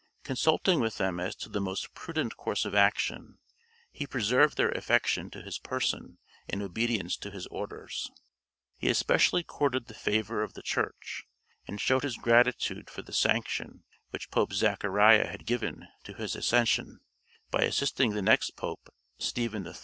Consulting with them as to the most prudent course of action, he preserved their affection to his person and obedience to his orders. He especially courted the favor of the Church, and showed his gratitude for the sanction which Pope Zachariah had given to his accession, by assisting the next Pope, Stephen III.